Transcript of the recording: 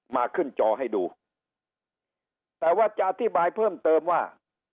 มาขึ้นจอให้ดูแต่ว่าจะอธิบายเพิ่มเติมว่า